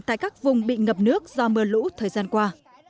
tại các vùng bị ngập nước do mưa lũ thời gian qua